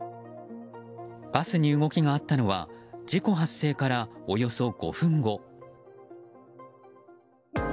バスに動きがあったのは事故発生から、およそ５分後。